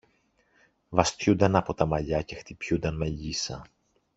βαστιούνταν από τα μαλλιά και χτυπιούνταν με λύσσα.